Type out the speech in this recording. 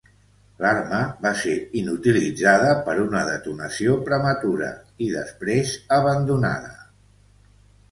L'arma va ser inutilitzada per una detonació prematura i després abandonada.